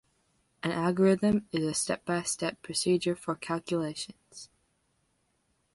An algorithm is a step-by-step procedure for calculations.